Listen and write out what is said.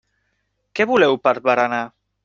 Què voleu per berenar?